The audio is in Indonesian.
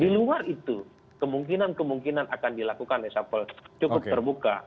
di luar itu kemungkinan kemungkinan akan dilakukan reshuffle cukup terbuka